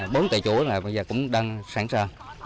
bốn tài chủ bây giờ cũng đang sẵn sàng